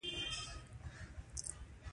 پسرلي، اوړي، مني او ژمي